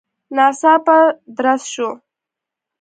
ناڅاپه درز شو.